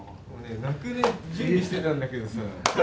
泣く準備してたんだけどさ。